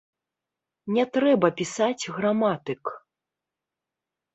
Не трэба пісаць граматык!